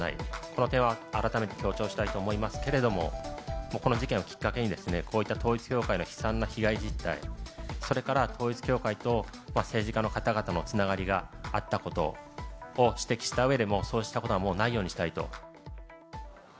この点は改めて強調したいと思いますけれども、この事件をきっかけに、こういった統一教会の悲惨な被害実態、それから統一教会と政治家の方々のつながりがあったことを指摘したうえで、もうそうしたことは、もうないようにしたいと。